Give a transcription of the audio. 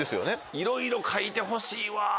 いろいろ描いてほしいわ。